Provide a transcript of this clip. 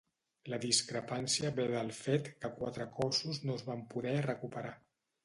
La discrepància ve del fet que quatre cossos no es van poder recuperar.